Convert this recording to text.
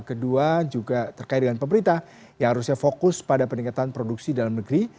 kedua juga terkait dengan pemerintah yang harusnya fokus pada peningkatan produksi dalam negeri